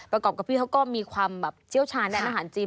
ประกอบกับพี่เขาก็มีความเจี้ยวชาญอาหารจีน